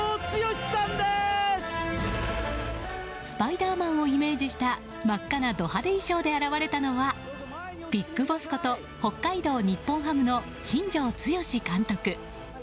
スパイダーマンをイメージした真っ赤なド派手衣装で現れたのは、ビッグボスこと北海道日本ハムの新庄剛志監督。